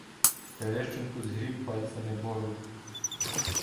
Терещенко згріб пальцями бороду.